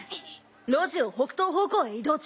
路地を北東方向へ移動中。